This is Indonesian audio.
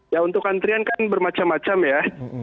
ya untuk antrian kan bermacam macam ya